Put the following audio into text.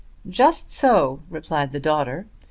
"Just so," replied the daughter.